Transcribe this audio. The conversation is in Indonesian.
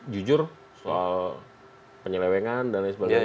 jujur soal penyelewengan dan lain sebagainya